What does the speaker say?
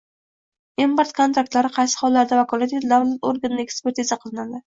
Import kontraktlari qaysi hollarda vakolatli davlat organida ekspertiza qilinadi?